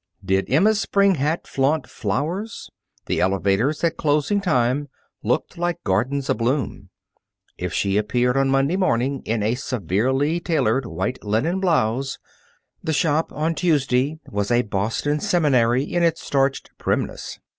Did Emma's spring hat flaunt flowers, the elevators, at closing time, looked like gardens abloom. If she appeared on Monday morning in severely tailored white linen blouse, the shop on Tuesday was a Boston seminary in its starched primness.